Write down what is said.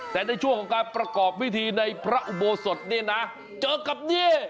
แต่ในช่วงของการประกอบพิธีในพระอุโบสถเนี่ยนะเจอกับนี่